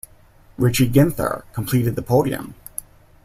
Richie Ginther completed the podium.